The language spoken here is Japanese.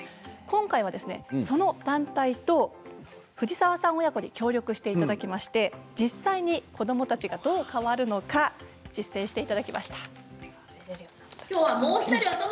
今回は、その団体と藤澤さん親子に協力していただきまして実際に子どもたちがどう変わるのか実践していただきました。